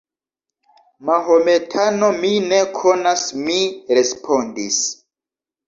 Mahometano, mi ne konas, mi respondis.